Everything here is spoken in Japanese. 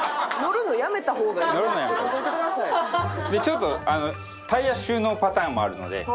ちょっとタイヤ収納パターンもあるので。